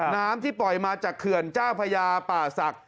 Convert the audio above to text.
น้ำที่ปล่อยมาจากเขื่อนเจ้าพญาป่าศักดิ